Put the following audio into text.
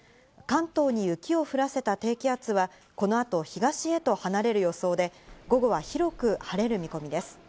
関東に雪を降らせた低気圧は、この後、東へと離れる予想で午後は広く晴れる見込みです。